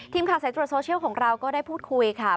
ทีมข้างใส่ตัวโซเชียลของเราก็ได้พูดคุยค่ะ